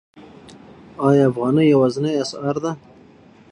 آیا افغانۍ یوازینۍ اسعار ده؟